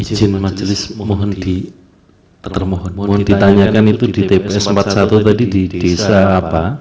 ijin majelis mohon ditanyakan itu di tps empat puluh satu tadi di desa apa